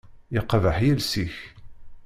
Yeqbeḥ yiles-ik.